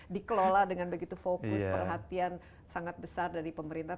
dikelola dengan begitu fokus perhatian sangat besar dari pemerintah